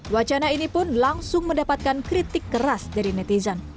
wacana ini pun langsung mendapatkan kritik keras dari netizen